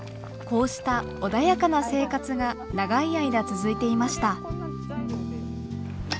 こうした穏やかな生活が長い間続いていました。